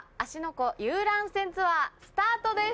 湖遊覧船ツアースタートです。